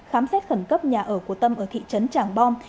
khám xét khẩn cấp nhà ở của tâm ở thị trấn tràng bom